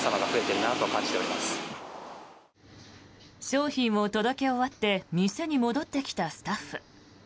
商品を届け終わって店に戻ってきたスタッフ。